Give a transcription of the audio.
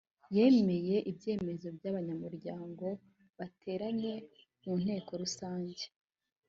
yemeye ibyemezo by’abanyamuryango bateranye mu nteko rusange